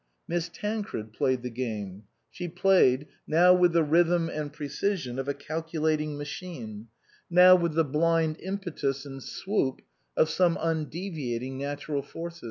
Miss Tancred played the game ; she played, now with the rhythm and precision of a calcu lating machine, now with the blind impetus and swoop of some undeviating natural force.